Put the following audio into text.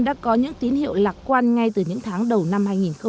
đã có những tín hiệu lạc quan ngay từ những tháng đầu năm hai nghìn hai mươi